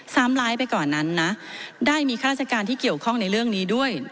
ซ้ำร้ายไปกว่านั้นนะได้มีข้าราชการที่เกี่ยวข้องในเรื่องนี้ด้วย